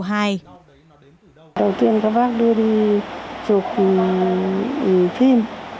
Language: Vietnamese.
đầu tiên các bác đưa đi chụp phim